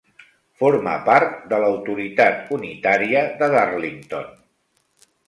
Forma part de l'autoritat unitària de Darlington.